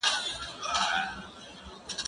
زه مخکي لیکل کړي وو.